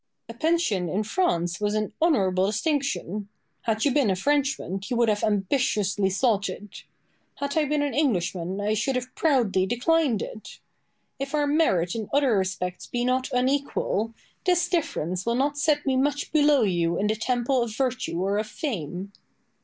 Boileau. A pension in France was an honourable distinction. Had you been a Frenchman you would have ambitiously sought it; had I been an Englishman I should have proudly declined it. If our merit in other respects be not unequal, this difference will not set me much below you in the temple of virtue or of fame.